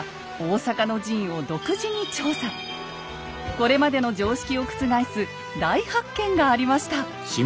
これまでの常識を覆す大発見がありました。